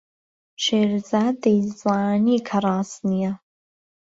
شێرزاد دەیزانی کە ڕاست نییە.